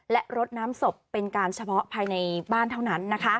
และรดน้ำศพเป็นการเฉพาะภายในบ้านเท่านั้น